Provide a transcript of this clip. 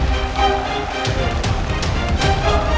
dia belum tau siapa huya